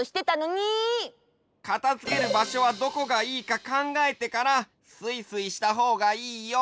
かたづけるばしょはどこがいいかかんがえてからスイスイしたほうがいいよ！